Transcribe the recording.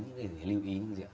những cái lưu ý gì ạ